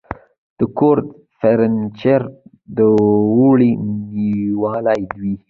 د کور فرنيچر دوړې نیولې وې.